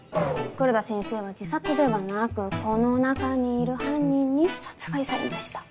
黒田先生は自殺ではなくこの中にいる犯人に殺害されました。